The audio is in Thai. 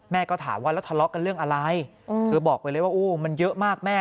ก็ถามว่าแล้วทะเลาะกันเรื่องอะไรเธอบอกไปเลยว่าโอ้มันเยอะมากแม่